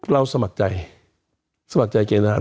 เราสมัครใจสมัครใจเกณฑ์ทหาร